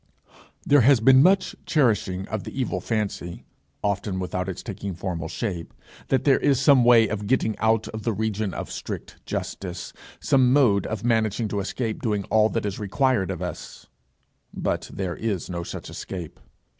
There has been much cherishing of the evil fancy, often without its taking formal shape, that there is some way of getting out of the region of strict justice, some mode of managing to escape doing all that is required of us; but there is no such escape.